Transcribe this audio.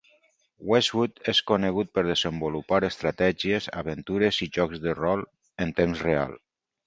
Westwood és conegut per desenvolupar estratègies, aventures i jocs de rol en temps real.